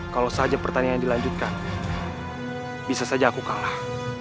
kalau saja pertandingan dilanjutkan bisa saja aku kalah